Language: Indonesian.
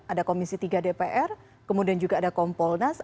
ada komisi tiga dpr kemudian juga ada kompolnas